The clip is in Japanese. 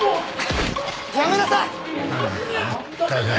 やめなさい！